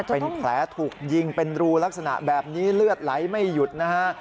เป็นแผลถูกยิงเป็นรูลักษณะแบบนี้เลือดไหลไม่หยุดนะฮะ